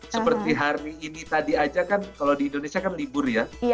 seperti hari ini tadi aja kan kalau di indonesia kan libur ya